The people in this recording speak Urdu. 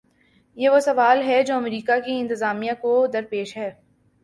یہ وہ سوال ہے جو امریکہ کی انتظامیہ کو درپیش ہے۔